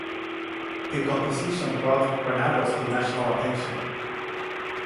The composition brought Granados to national attention.